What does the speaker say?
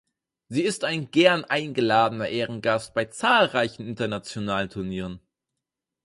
Sie ist ein gern eingeladener Ehrengast bei zahlreichen internationalen Turnieren.